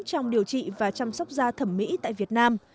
trong điều trị và chăm sóc da thẩm mỹ tại việt nam